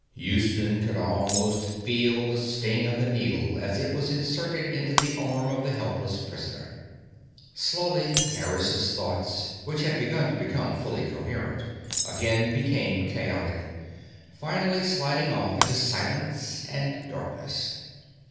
Houston could almost feel the sting of the needle as it was inserted into the arm of the helpless prisoner. Slowly, Harris's thoughts, which had begun to become fully coherent, again became chaotic, finally sliding off into silence and darkness.